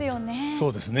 そうですね。